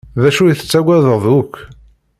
D acu i tettagadeḍ akk?